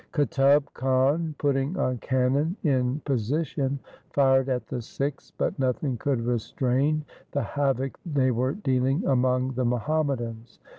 Qutub Khan, putting a cannon in position, fired at the Sikhs, but nothing could restrain the havoc they were dealing among the Muhammadans.